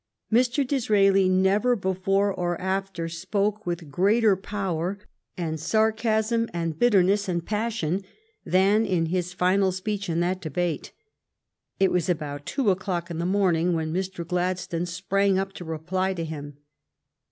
Mr. Disraeli never, before or after, spoke with greater power and sarcasm and bitterness and passion than in his final speech in that debate. It was about two o'clock in the morning when Mr. Gladstone sprang up to reply to him.